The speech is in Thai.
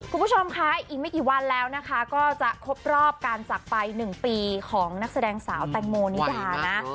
คุณผู้ชมคะอีกไม่กี่วันแล้วนะคะก็จะครบรอบการจักรไป๑ปีของนักแสดงสาวแตงโมนิดานะ